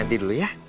nanti dulu ya